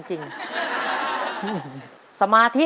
แม่ช่างเหมาะเจาะแมะแจะจริง